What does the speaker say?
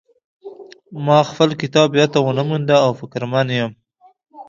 ما خپل کتاب بیرته ونه مونده او فکرمن یم